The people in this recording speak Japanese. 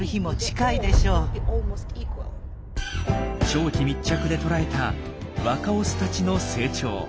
長期密着で捉えた若オスたちの成長。